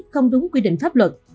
không đúng quy định pháp luật